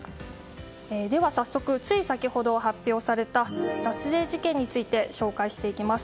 では早速、つい先ほど発表された脱税事件について紹介していきます。